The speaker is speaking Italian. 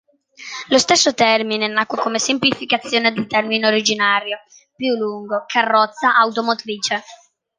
Lo stesso termine nacque come semplificazione del termine originario, più lungo, "carrozza automotrice".